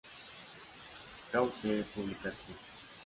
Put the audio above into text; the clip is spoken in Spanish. Krause Publications.